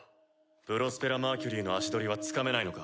プロスペラ・マーキュリーの足取りはつかめないのか？